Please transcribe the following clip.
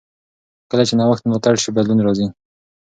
کله چې نوښت ملاتړ شي، بدلون راځي.